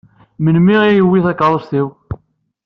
Melmi i yewwi takeṛṛust-iw?